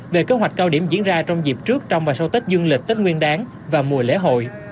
về kế hoạch cao điểm diễn ra trong dịp trước trong và sau tết dương lịch tết nguyên đáng và mùa lễ hội